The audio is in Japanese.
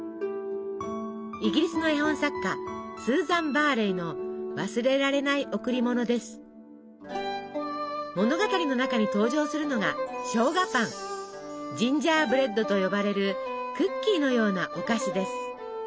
イギリスの絵本作家スーザン・バーレイの物語の中に登場するのがジンジャーブレッドと呼ばれるクッキーのようなお菓子です。